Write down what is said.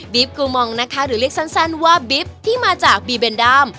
กูมองนะคะหรือเรียกสั้นว่าบิ๊บที่มาจากบีเบนด้าม